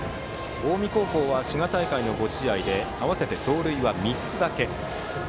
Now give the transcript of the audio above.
近江高校は滋賀大会の５試合で合わせて盗塁は３つだけ。